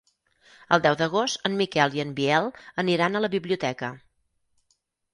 El deu d'agost en Miquel i en Biel aniran a la biblioteca.